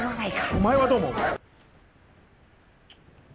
お前はどう思う？